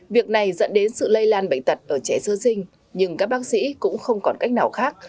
việc này dẫn đến sự lây lan bệnh tật ở trẻ sơ sinh nhưng các bác sĩ cũng không còn cách nào khác